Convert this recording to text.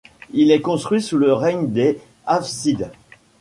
Il est construit sous le règne des Hafsides.